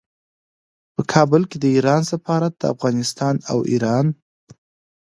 په کابل کې د ایران سفارت د افغانستان او ایران